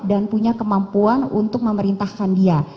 dan punya kemampuan untuk memerintahkan dia